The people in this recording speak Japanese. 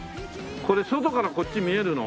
これ外からこっち見えるの？